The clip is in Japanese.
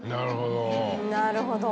なるほど。